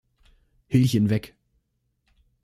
Hilchen“ weg.